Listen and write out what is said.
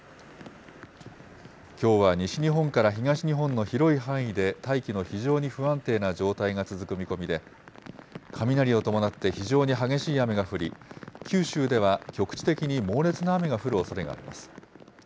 きょうは西日本から東日本の広い範囲で大気の非常に不安定な状態が続く見込みで、雷を伴って非常に激しい雨が降り、九州では局地的に猛烈な雨が降るおそれがあります。